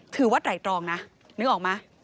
ถือว่าไตรองนะนึกออกมั้ย